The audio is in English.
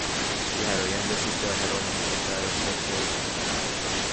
She had a younger sister, Helene Kimball Byington.